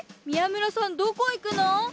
宮村さんどこいくの？